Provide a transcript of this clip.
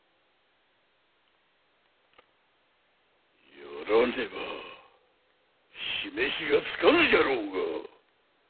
やらねば示しがつかぬじゃろうが。